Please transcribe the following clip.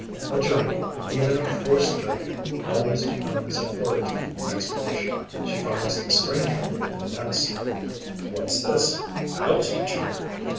A journey, even a forced journey, always becomes a foraging expedition. She finds the stranger in the nest: 'What's this? I'll teach you!'